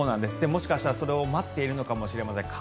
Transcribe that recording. もしかしたら、それを待っているのかもしれません。